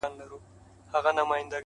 د زړه سکون له رښتیا سره مل وي.!